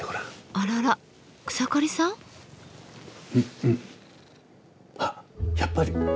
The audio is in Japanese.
あらら草刈さん？あっやっぱり。